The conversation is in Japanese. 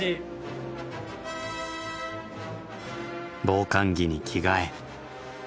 防寒着に着替え。